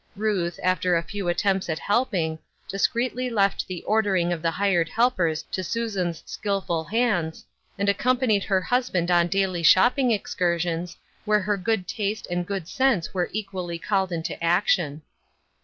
Ruth, after a few attempts at helping, discreetly left the ordering of the hiied helpers to Susan's skillful hands, and accompa 328 Uuth Erskine's Crosses. riied her husband on daily shopping excursions, where her good taste and good sense were equal] y called into action.